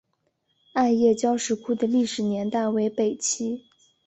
艾叶交石窟的历史年代为北齐。